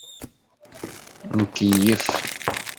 Nkeyyef.